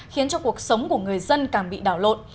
khiến cho cuộc sống của người dân càng bị đảo lộn